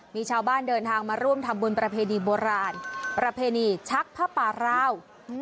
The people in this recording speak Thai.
มีชาวบ้านเดินทางมาร่วมทำบุญประเพณีโบราณประเพณีชักผ้าป่าราว